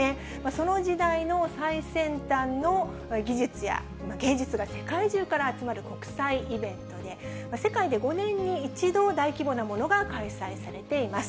その時代の最先端の技術や芸術が世界中から集まる国際イベントで、世界で５年に１度、大規模なものが開催されています。